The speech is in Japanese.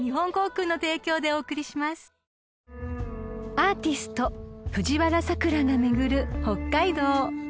［アーティスト藤原さくらが巡る北海道］